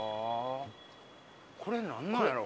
これなんなんやろう？